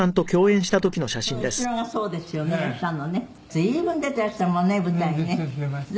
「随分出てらしたもんね